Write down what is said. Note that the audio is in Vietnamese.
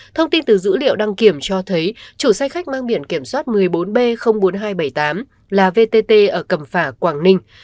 thông tin từ dữ liệu đăng kiểm cho thấy chủ xe khách mang biển kiểm soát một mươi bốn b bốn nghìn hai trăm bảy mươi tám là vtt ở cẩm phả quảng ninh